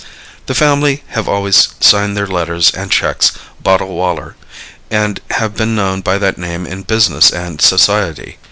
The family have always signed their letters and checks "Bottlewaller," and have been known by that name in business and society.